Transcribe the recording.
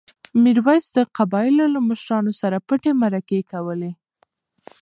میرویس د قبایلو له مشرانو سره پټې مرکې کولې.